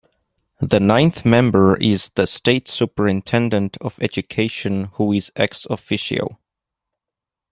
The ninth member is the State Superintendent of Education who is ex-officio.